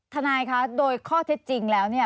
ทนายคะโดยข้อเท็จจริงแล้วเนี่ย